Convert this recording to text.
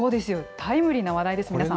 タイムリーな話題ですよ、皆さん。